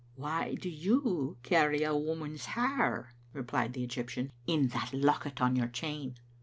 "Why do you carry a woman's hair," replied the Egyptian, " in that locket on your chain?"